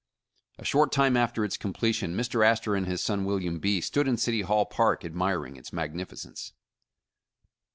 A short time after its completion Mr. Astor and his son, William B., stood in City Hall Park admiring its magnificence.